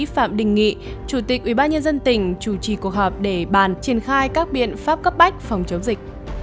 phạm đình nghị chủ tịch ủy ban nhân dân tỉnh chủ trì cuộc họp để bàn triển khai các biện pháp cấp bách phòng chống dịch